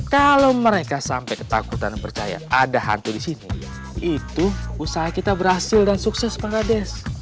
kalau mereka sampai ketakutan dan percaya ada hantu di sini itu usaha kita berhasil dan sukses banglades